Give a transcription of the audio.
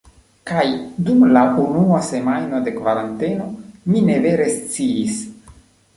Kaj dum la unua semajno de kvaranteno mi ne vere sciis